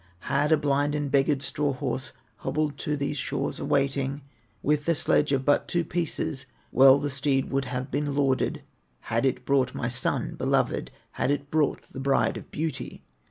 Had a blind and beggared straw horse Hobbled to these shores awaiting, With a sledge of but two pieces, Well the steed would have been lauded, Had it brought my son beloved, Had it brought the Bride of Beauty.